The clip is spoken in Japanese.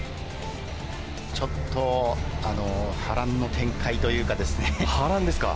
ちょっと波乱の展開というか波乱ですか。